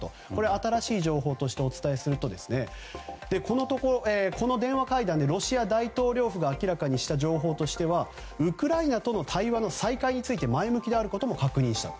新しい情報としてお伝えすると、この電話会談でロシア大統領府が明らかにした情報としてはウクライナとの対話の再開について前向きであることも確認したと。